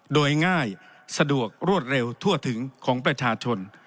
โดยง่ายสะดวกรวดเร็วทั่วถึงของประชาชน